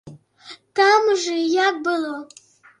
Там жа як было.